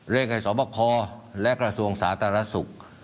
เร่งให้สมบัติคอร์และกระทรวงศาสตราสุข